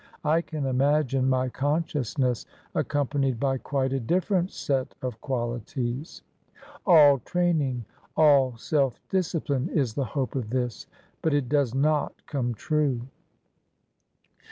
I can imagine my consciousness accompanied by quite a different set of qualities. All training — all self discipline is the hope of this. But it does not come true."